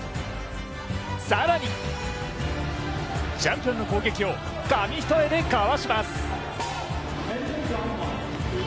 更に、チャンピオンの攻撃を紙一重でかわします。